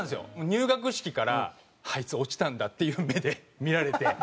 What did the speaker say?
入学式からあいつ落ちたんだっていう目で見られて。